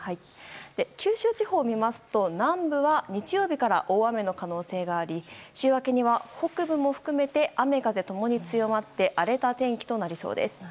九州地方を見ますと、南部は日曜日から大雨の可能性があり週明けには北部も含めて雨風共に強まって荒れた天気となりそうです。